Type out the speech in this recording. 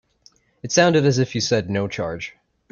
It sounded as if you said no charge.